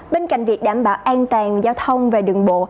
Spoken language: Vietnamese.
bên cạnh việc đảm bảo an toàn giao thông và đường bộ